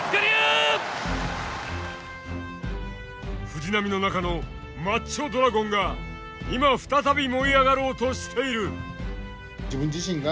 藤波の中の「マッチョ・ドラゴン」が今再び燃え上がろうとしている。